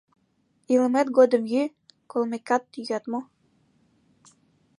Илымет годым йӱ, колымекет йӱат мо?